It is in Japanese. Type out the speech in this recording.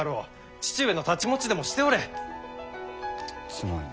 父上の太刀持ちでもしておれ。